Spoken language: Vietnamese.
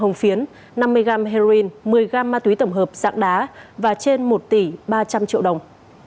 hồng phiến năm mươi g heroin một mươi g ma túy tổng hợp dạng đá và trên một tỷ ba trăm linh triệu đồng